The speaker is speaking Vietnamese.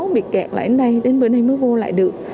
bị kẹt lại ở đây đến bữa nay mới vô lại được